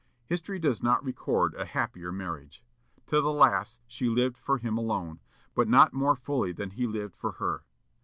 History does not record a happier marriage. To the last, she lived for him alone, but not more fully than he lived for her.